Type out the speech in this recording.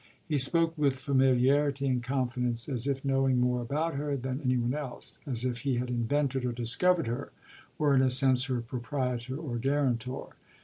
He spoke with familiarity and confidence, as if knowing more about her than any one else as if he had invented or discovered her, were in a sense her proprietor or guarantor.